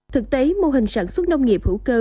thực tế mô hình sản xuất nông nghiệp hữu cơ